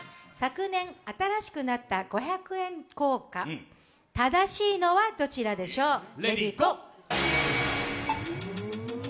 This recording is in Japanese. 昨年、新しくなった五百円硬貨、正しいのはどちらでしょう。